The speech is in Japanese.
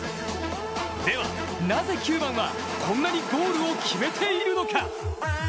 ではなぜ９番は、こんなにゴールを決めているのか？